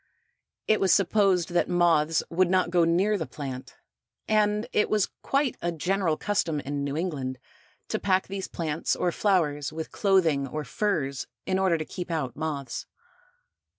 It was supposed that moths would not go near the plant, and it was quite a general custom in New England to pack these plants or flowers with clothing or furs in order to keep out moths.